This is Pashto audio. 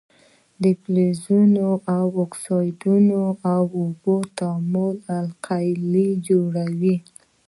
د فلزونو د اکسایدونو او اوبو تعامل القلي جوړوي.